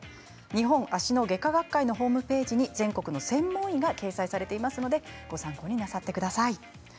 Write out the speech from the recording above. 日本足の外科学会のホームページに全国の専門医が掲載されていますのでご参考になさってください。